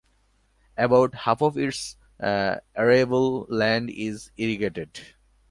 About half of its arable land is irrigated.